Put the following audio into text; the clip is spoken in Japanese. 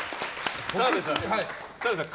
澤部さん